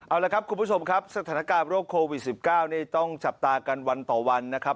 เอาละครับคุณผู้ชมครับสถานการณ์โรคโควิด๑๙นี่ต้องจับตากันวันต่อวันนะครับ